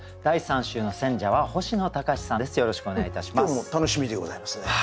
今日も楽しみでございますね。